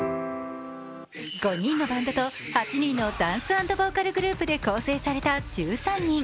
５人のバンドと８人のボーカル＆ダンスグループで構成された１３人。